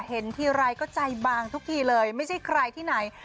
เห็นทีไรก็ใจบางทุกทีเลยไม่ใช่ใครที่ไหน